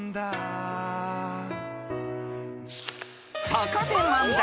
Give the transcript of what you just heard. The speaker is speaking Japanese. ［そこで問題］